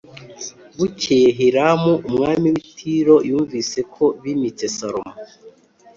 Bukeye Hiramu umwami w’i Tiro yumvise ko bimitse Salomo